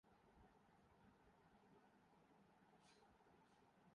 دنیا کے تیز ترین انسان یوسین بولٹ گلو کار بھی بن گئے